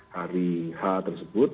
hari h tersebut